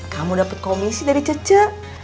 kamu dapat komisi dari caca